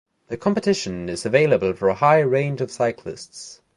The competition is available for a high range of cyclists.